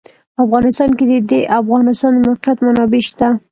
په افغانستان کې د د افغانستان د موقعیت منابع شته.